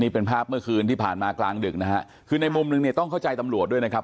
นี่เป็นภาพเมื่อคืนที่ผ่านมากลางดึกในมุมนึงต้องเข้าใจตำรวจด้วยนะครับ